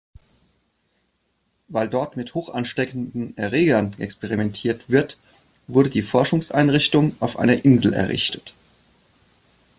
Weil dort mit hochansteckenden Erregern experimentiert wird, wurde die Forschungseinrichtung auf einer Insel errichtet.